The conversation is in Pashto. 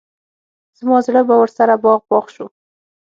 زما زړه به ورسره باغ باغ شو.